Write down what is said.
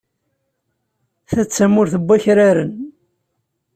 Ta d tamurt n wakraren.